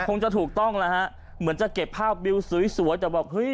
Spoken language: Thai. คงจะถูกต้องนะฮะเหมือนจะเก็บภาพวิวสวยแต่บอก